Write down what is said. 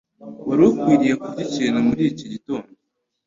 Wari ukwiye kurya ikintu muri iki gitondo.